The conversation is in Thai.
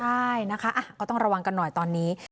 ใช่นะคะก็ต้องระวังกันหน่อยตอนนี้